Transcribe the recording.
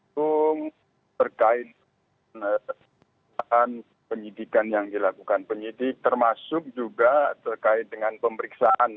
terima kasih terkait penyidikan yang dilakukan penyidik termasuk juga terkait dengan pemeriksaan